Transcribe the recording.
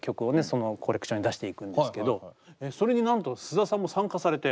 そのコレクションに出していくんですけどそれになんと須田さんも参加されて。